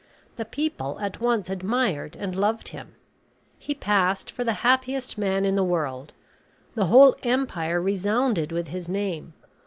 The people at once admired and loved him. He passed for the happiest man in the world. The whole empire resounded with his name.